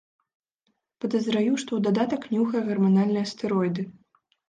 Падазраю, што ў дадатак нюхае гарманальныя стэроіды.